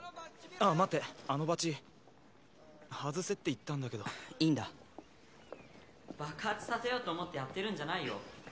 ああ待ってあのバッジ外せって言ったんだけどいいんだ爆発させようと思ってやってるんじゃないよ